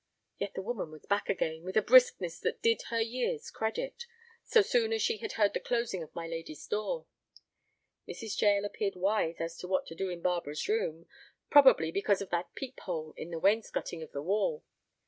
Yet the woman was back again, with a briskness that did her years credit, so soon as she had heard the closing of my lady's door. Mrs. Jael appeared wise as to what to do in Barbara's room, probably because of that peep hole in the wainscoting of the wall.